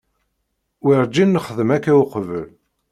Werǧin nexdem akka uqbel.